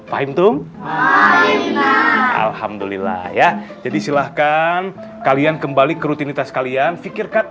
pahim tuh alhamdulillah ya jadi silahkan kalian kembali ke rutinitas kalian pikirkan